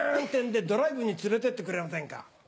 ってんでドライブに連れてってくれませんか？